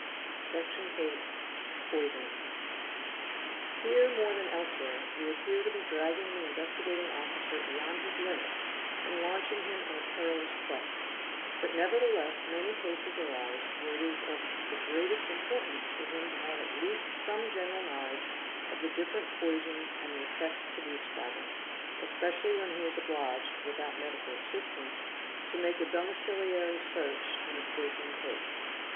Section viii.—Poisoning. Here, more than elsewhere, we appear to be dragging the Investi gating Officer beyond his limits and launching him on a perilous quest; but nevertheless many cases arise where it is of the greatest importance 7 for him to have at least some general knowledge of the different poisons : anc the effects produced by them ; especially when he is obliged, without "Medical assistance, to make a domiciliary search in a poisoning case.